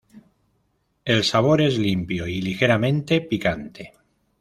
El sabor es limpio y ligeramente picante.